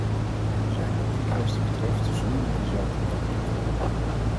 We zijn wat die kwestie betreft zonder meer dezelfde mening toegedaan.